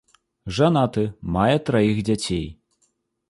Жанаты, мае траіх дзяцей.